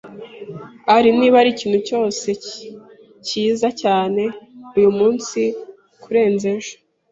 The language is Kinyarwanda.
Ari, niba arikintu cyose, cyiza cyane uyumunsi kurenza ejo.